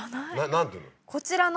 何ていうの？